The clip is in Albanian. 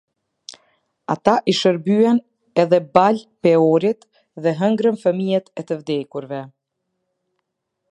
Ata i shërbyen edhe Baal Peorit dhe hëngrën flijimet e të vdekurve.